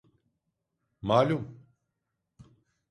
Malum...